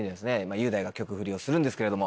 雄大が曲フリをするんですけども。